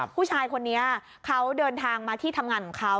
ผู้ชายคนนี้เขาเดินทางมาที่ทำงานของเขา